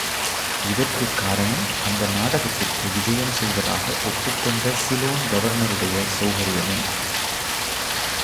இதற்குக் காரணம், அந்த நாடகத்திற்கு விஜயம் செய்வதாக ஒப்புக்கொண்ட சிலோன் கவர்னருடைய சௌகர்யமே.